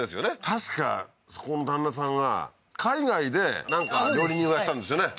確かそこの旦那さんが海外でなんか料理人をやってたんですよね？